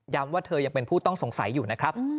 ว่าเธอยังเป็นผู้ต้องสงสัยอยู่นะครับ